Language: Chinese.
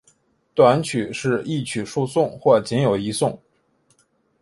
短曲是一曲数颂或仅有一颂。